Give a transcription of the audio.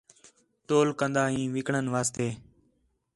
ٹول کندا ہیں وِکݨ واسطے